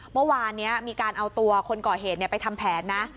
เมื่อวานนี้มีการเอาตัวคนก่อเหตุไปทำแผนนะ